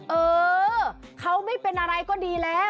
เออเขาไม่เป็นอะไรก็ดีแล้ว